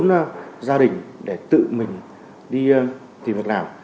trốn nhà trốn gia đình để tự mình đi tìm việc làm